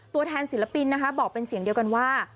ตัวแทนศิลปินนะคะบอกเป็นเสียงเดียวกันว่า